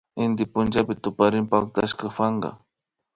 Inty killapi tukurin pactashaka panka